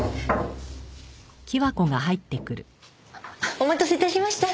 お待たせ致しました。